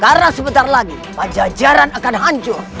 karena sebentar lagi pancajaran akan hancur